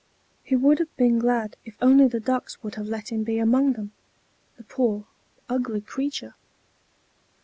He would have been glad if only the ducks would have let him be among them the poor, ugly creature!